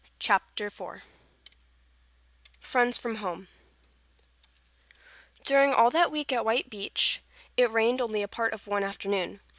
CHAPTER IV FRIENDS FROM HOME During all that week at White Beach it rained only a part of one afternoon.